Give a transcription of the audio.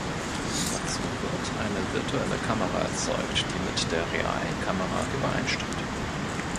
Dazu wird eine virtuelle Kamera erzeugt, die mit der realen Kamera übereinstimmt.